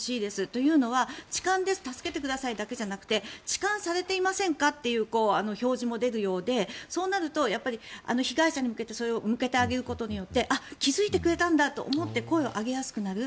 というのは「痴漢です助けてください」だけじゃなくて痴漢されていませんか？という表示も出るようでそうなると被害者に向けてそれを向けてあげることによって気付いてくれたんだと思って声を上げやすくなる。